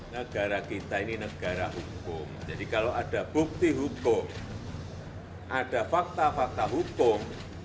negara kita ini negara hukum jadi kalau ada bukti hukum ada fakta fakta hukum